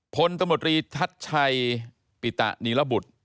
พลตำรวจรีทัศน์ชัยปิตะนีระบุตร